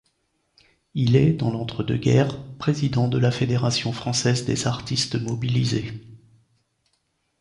Il est dans l'entre-deux-guerres président de la Fédération française des Artistes mobilisés.